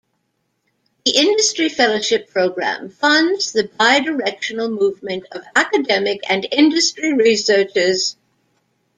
The Industry Fellowship programme funds the bi-directional movement of academic and industry researchers.